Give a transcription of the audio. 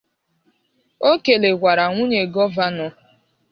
O kelekwara nwunye Gọvanọ